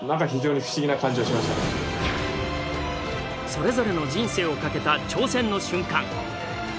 それぞれの人生をかけた挑戦の瞬間。